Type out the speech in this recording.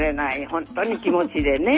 本当に気持ちでね。